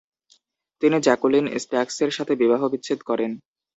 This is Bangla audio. তিনি জ্যাকুলিন স্ট্যাকসের সাথে বিবাহ-বিচ্ছেদ করেন।